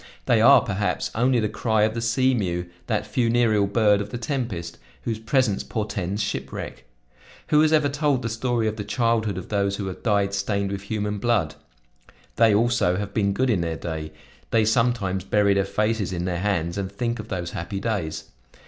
They are, perhaps, only the cry of the sea mew, that funereal bird of the tempest, whose presence portends shipwreck. Who has ever told the story of the childhood of those who have died stained with human blood? They, also, have been good in their day; they sometimes bury their faces in their hands and think of those happy days.